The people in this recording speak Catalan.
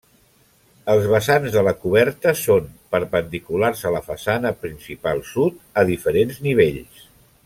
Els vessants de la coberta són perpendiculars a la façana principal sud, a diferents nivells.